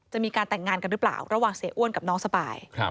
จะมีการแต่งงานกันหรือเปล่าระหว่างเสียอ้วนกับน้องสปาย